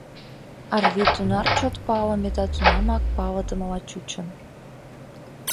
Арви тунар чот палыме да тунамак палыдымыла чучын.